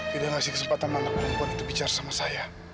tidak ngasih kesempatan anak perempuan itu bicara sama saya